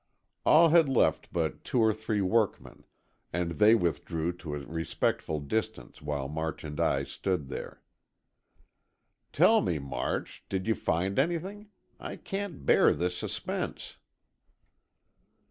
All had left but two or three workmen, and they withdrew to a respectful distance while March and I stood there. "Tell me, March, did you find anything? I can't bear this suspense!"